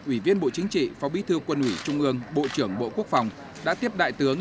ủy viên bộ chính trị phó bí thư quân ủy trung ương bộ trưởng bộ quốc phòng đã tiếp đại tướng